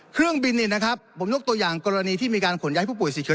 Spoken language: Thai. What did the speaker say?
เครื่องบินเนี่ยนะครับผมยกตัวอย่างกรณีที่มีการขนย้ายผู้ป่วยเฉย